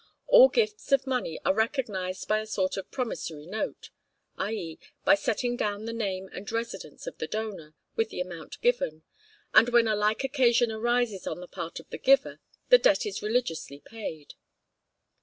All gifts of money are recognized by a sort of promissory note, i.e., by setting down the name and residence of the donor, with the amount given; and when a like occasion arises on the part of the giver, the debt is religiously paid.